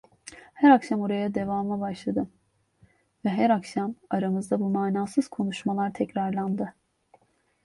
Her akşam oraya devama başladım ve her akşam aramızdaki bu manasız konuşmalar tekrarlandı.